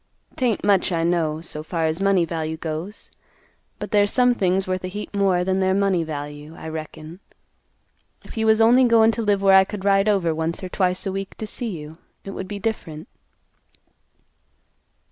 'Tain't much, I know, so far as money value goes. But there's some things worth a heap more than their money value, I reckon. If you was only goin' t' live where I could ride over once or twice a week to see you, it would be different."